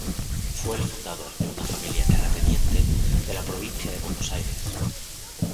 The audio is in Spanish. Fue el fundador de una familia terrateniente de la Provincia de Buenos Aires.